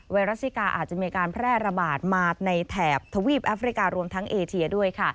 รัสซิกาอาจจะมีการแพร่ระบาดมาในแถบทวีปแอฟริการวมทั้งเอเชียด้วยค่ะ